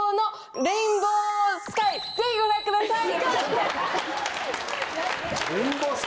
ぜひご覧ください。